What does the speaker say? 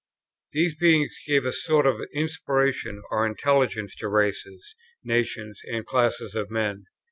These beings gave a sort of inspiration or intelligence to races, nations, and classes of men.